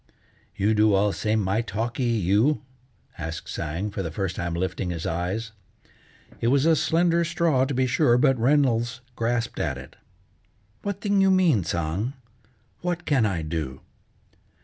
"You do all same my talkee you?" asked Tsang, for the first time lifting his eyes. It was a slender straw, to be sure, but Reynolds grasped at it. "What thing you mean, Tsang? What can I do?"